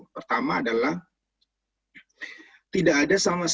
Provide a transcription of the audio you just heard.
pertama adalah tidak ada sama sekali bentuk bentuk luar fisik yang bisa menunjukkan bahwa dia ada tambahan